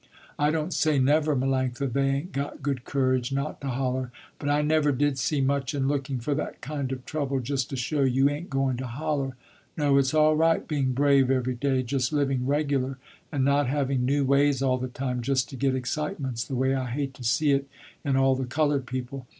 I don't say, never, Melanctha, they ain't got good courage not to holler, but I never did see much in looking for that kind of trouble just to show you ain't going to holler. No its all right being brave every day, just living regular and not having new ways all the time just to get excitements, the way I hate to see it in all the colored people.